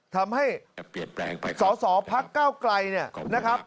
ทำให้สอสอพักเก้าไกลนะครับ